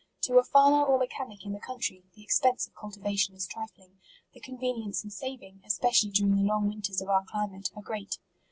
To a farmer or mechanic in the country, the expense of cultivation is trifling ; the conve nience and saving, especially during the long winters of our climate, are great.